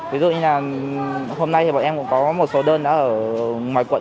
ví dụ như là hôm nay thì bọn em cũng có một số đơn đã ở ngoài quận